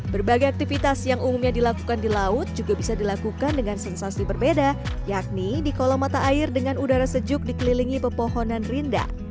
berbagai aktivitas yang umumnya dilakukan di laut juga bisa dilakukan dengan sensasi berbeda yakni di kolam mata air dengan udara sejuk dikelilingi pepohonan rinda